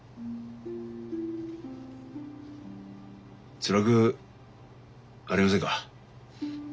つらくありませんか？